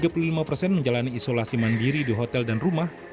tiga puluh lima persen menjalani isolasi mandiri di hotel dan rumah